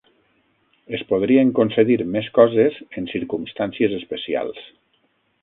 Es podrien concedir més coses en circumstàncies especials.